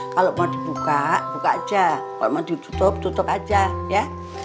kalau mau dibuka buka aja kok mau ditutup tutup aja ya